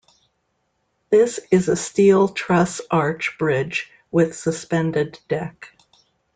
This is a steel truss arch bridge with suspended deck.